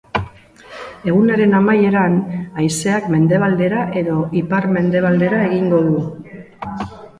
Egunaren amaieran, haizeak mendebaldera edo ipar-mendebaldera egingo du.